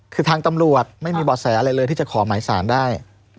คือทางตำรวจไม่มีบ่อแสอะไรเลยที่จะขอหมายสารได้